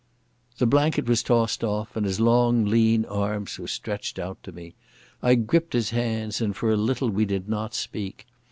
The blanket was tossed off, and his long, lean arms were stretched out to me. I gripped his hands, and for a little we did not speak.